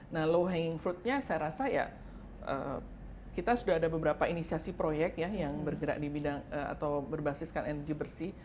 nah low hanging fruitnya saya rasa ya kita sudah ada beberapa inisiasi proyek ya yang bergerak di bidang atau berbasiskan energi bersih